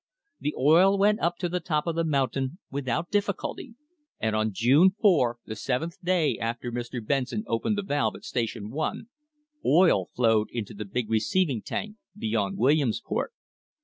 The oil went up to the top of the mountain without difficulty, and on June 4, the seventh day after Mr. Benson opened the valve at Station One, oil flowed into the big receiving tank beyond Williamsport.